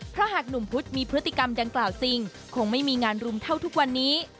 เพราะหากหนุ่มพุธมีพฤติกรรมดังกล่าวจริงคงไม่มีงานรุมเท่าทุกวันนี้